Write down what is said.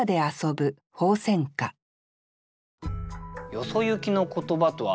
「よそゆきの言葉」とは？